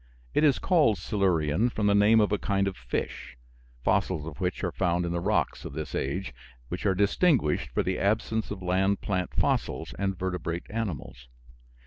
It is called Silurian, from the name of a kind of fish, fossils of which are found in the rocks of this age, which are distinguished for the absence of land plant fossils and vertebrate animals.